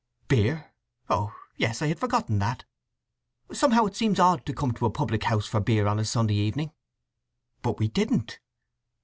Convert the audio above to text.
"Beer, oh yes. I had forgotten that. Somehow it seems odd to come to a public house for beer on a Sunday evening." "But we didn't."